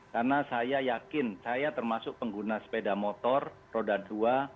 karena saya yakin saya termasuk pengguna sepeda motor roda dua